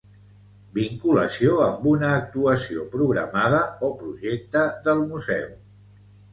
Vinculació amb una actuació programada o projecte del museu.